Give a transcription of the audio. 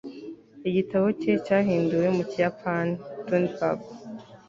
igitabo cye cyahinduwe mu kiyapani. (dunbab